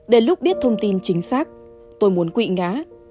đến lúc biết thông tin chính xác tôi muốn quỵ ngã